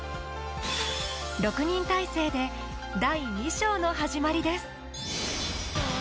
６人体制で第２章の始まりです。